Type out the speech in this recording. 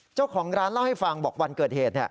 เจ้าของร้านเล่าให้ฟังบอกวันเกิดเหตุ